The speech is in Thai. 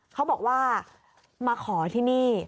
เขาบอกว่ามาขอที่นี่